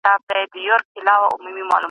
ایا وخت به بيا زموږ په ګټه وګرځي؟